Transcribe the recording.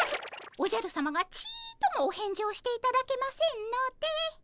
おじゃるさまがちっともお返事をしていただけませんので。